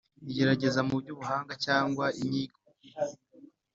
Igerageza mu by ubuhanga cyangwa inyigo